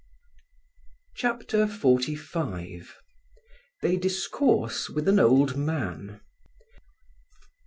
CHAPTER XLV THEY DISCOURSE WITH AN OLD MAN.